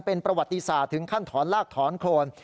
เป็นประวัติศาสตร์ถึงขั้นถอนลากถอนโครน